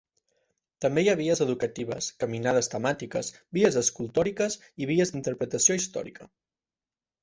També hi ha vies educatives, caminades temàtiques, vies escultòriques i vies d'interpretació històrica.